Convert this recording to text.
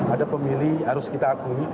ada pemilih harus kita akui